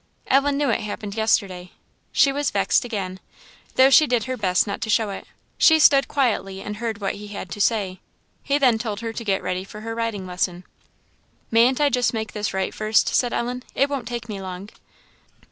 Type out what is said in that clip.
Ellen knew it happened yesterday. She was vexed again, though she did her best not to show it; she stood quietly and heard what he had to say. He then told her to get ready for her riding lesson. "Mayn't I just make this right first?" said Ellen "it won't take me long."